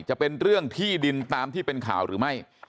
จะเป็นเรื่องที่ดินตามที่เป็นข่าวหรือไม่